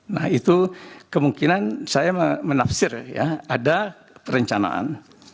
nah itu kemungkinan saya menafsir ya ada perencanaan